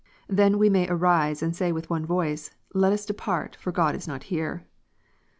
Then we may arise and say with one voice, " Let us depart, for God is not here."